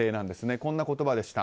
こんな言葉でした。